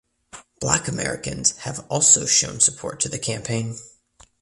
Black Americans have also shown support to the campaign.